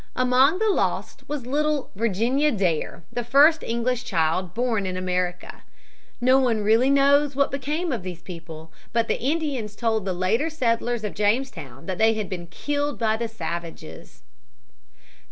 Among the lost was little Virginia Dare, the first English child born in America. No one really knows what became of these people. But the Indians told the later settlers of Jamestown that they had been killed by the savages. [Sidenote: Ruin of Spain's sea power.